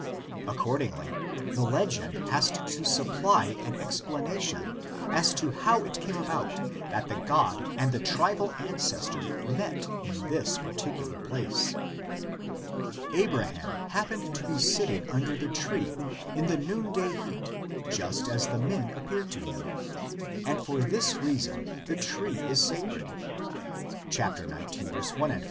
Accordingly the legend has to supply VARIETIES OF THE LEGENDS. 33 an explanation of how it came about that the God and the tribal ancestor met in this particular place. Abraham happened to be sitting under the tree in the noonday heat just as the men appeared to him, and for this reason the tree is sacred (*i«. i ff.).